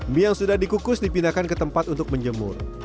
mie yang sudah dikukus dipindahkan ke tempat untuk menjemur